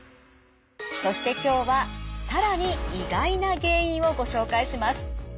そして今日は更に意外な原因をご紹介します。